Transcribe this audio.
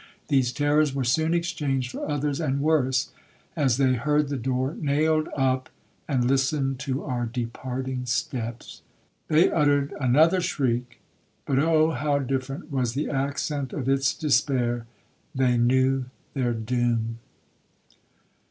These terrors were soon exchanged for others,—and worse,—as they heard the door nailed up, and listened to our departing steps. They uttered another shriek, but O how different was the accent of its despair!—they knew their doom.